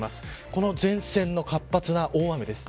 この前線の活発な大雨です。